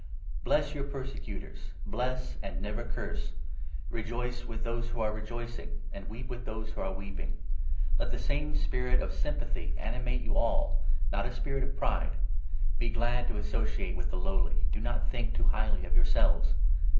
Bless your persecutors — bless and 14 never curse. Rejoice with those w^~ re rejoicing, and weep 15 with those who are weeping ^L me same spirit of sympathy 16 animate you all, not a spirit of pride ; be glad to associate with the lowly. Do not think too highly of yourselves.